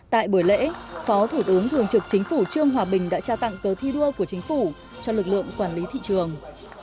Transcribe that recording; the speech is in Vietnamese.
tại buổi lễ phó thủ tướng thường trực chính phủ trương hòa bình đã trao tặng cớ thi đua của chính phủ cho lực lượng quản lý thị trường